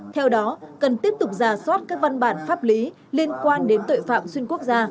theo đó cần tiếp tục giả soát các văn bản pháp lý liên quan đến tội phạm xuyên quốc gia